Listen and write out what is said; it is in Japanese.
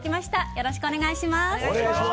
よろしくお願いします。